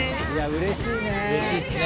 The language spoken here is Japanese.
うれしいですね。